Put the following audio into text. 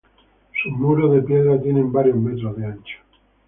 Sus muros de piedra tienen varios metros de ancho.